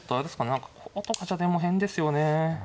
何かこことかじゃでも変ですよね。